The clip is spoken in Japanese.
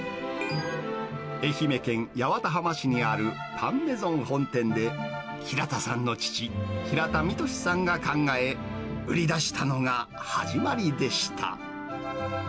愛媛県八幡浜市にあるパン・メゾン本店で平田さんの父、平田みとしさんが考え、売り出したのが始まりでした。